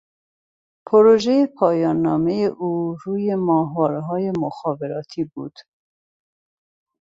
پروژه پایاننامهٔ او روی ماهوارههای مخابراتی بود